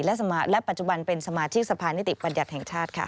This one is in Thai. และปัจจุบันเป็นสมาชิกสภานิติบัญญัติแห่งชาติค่ะ